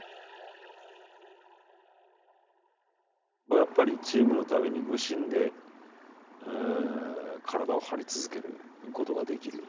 やっぱりチームのために無心で体を張り続けることができる。